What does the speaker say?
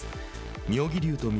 妙義龍と翠